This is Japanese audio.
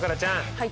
はい。